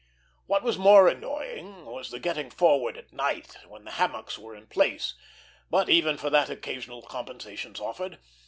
What was more annoying was the getting forward at night, when the hammocks were in place; but even for that occasional compensations offered.